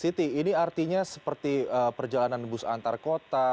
siti ini artinya seperti perjalanan bus antarkota